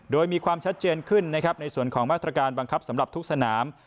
โดยมีความชัดเจนขึ้นนะครับในส่วนของมาตรการบังคับสำหรับทุกสนาม